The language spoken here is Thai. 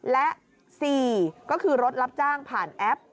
และ๔ก็คือรถรับจ้างผ่านแอป